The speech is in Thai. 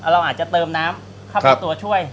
เราอาจจะเติมน้ำเข้าไปตัวช่วย